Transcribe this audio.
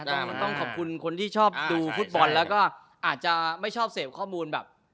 แต่มันต้องขอบคุณคนที่ชอบดูฟุตบอลแล้วก็อาจจะไม่ชอบเสพข้อมูลแบบ